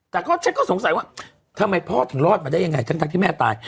แต่ก็ฉันก็สงสัยว่าทำไมพ่อถึงรอดมาได้ยังไงทั้งที่แม่ตาย